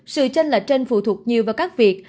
sự tranh lệch trên phụ thuộc nhiều vào các việc